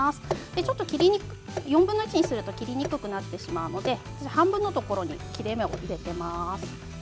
４分の１にすると切りにくくなってしまいますので半分のところに切れ目を入れてください。